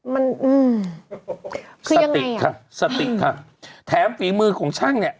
มันอืมคือยังไงสติกค่ะสติกค่ะแถมฝีมือของช่างเนี่ย